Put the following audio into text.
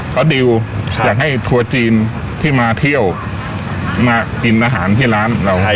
เขาดิวอยากให้ทัวร์จีนที่มาเที่ยวมากินอาหารที่ร้านเราให้